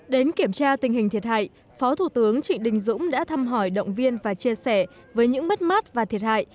đến kiểm tra tình hình thiệt hại phó thủ tướng trịnh đình dũng đã thăm hỏi động viên và chia sẻ với những mất mát và thiệt hại